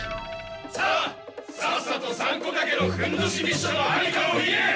さあさっさとサンコタケのふんどし密書のありかを言え！